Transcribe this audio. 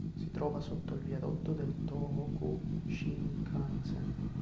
Si trova sotto il viadotto del Tōhoku Shinkansen.